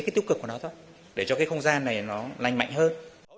cái tiêu cực của nó thôi để cho cái không gian này nó lành mạnh hơn